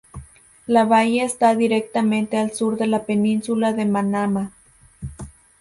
La bahía está directamente al sur de la península de Manama.